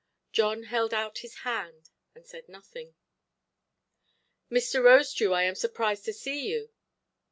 John held out his hand, and said nothing. "Mr. Rosedew, I am surprised to see you.